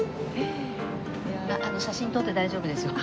写真撮って大丈夫ですよ。